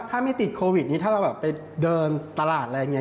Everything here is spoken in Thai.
ถ้าไม่ติดโควิดนี้ถ้าเราแบบไปเดินตลาดอะไรอย่างนี้